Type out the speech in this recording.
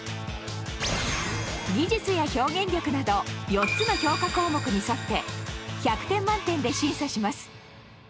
技術や表現力など４つの評価項目に沿って１００点満点で審査します。